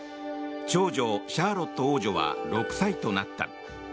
長女シャーロット王女は６歳となった。